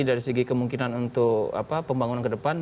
dari segi kemungkinan untuk pembangunan ke depan